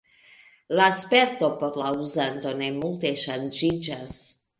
La sperto por la uzanto ne multe ŝanĝiĝas.